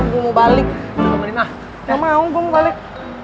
gak mau gue mau balik